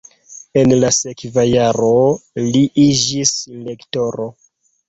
En la sekva jaro li iĝis lektoro.